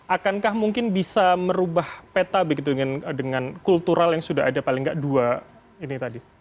akankah mungkin bisa merubah peta begitu dengan kultural yang sudah ada paling nggak dua ini tadi